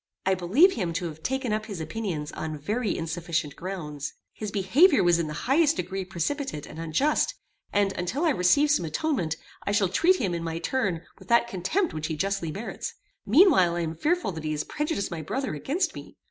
I believe him to have taken up his opinions on very insufficient grounds. His behaviour was in the highest degree precipitate and unjust, and, until I receive some atonement, I shall treat him, in my turn, with that contempt which he justly merits: meanwhile I am fearful that he has prejudiced my brother against me.